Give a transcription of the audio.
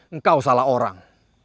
engkau salah orang